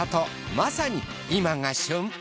まさに今が旬！